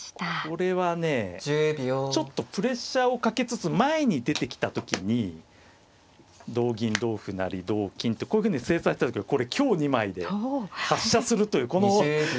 これはねちょっとプレッシャーをかけつつ前に出てきた時に同銀同歩成同金ってこういうふうに清算したんですけどこれ香２枚で発射するというこの。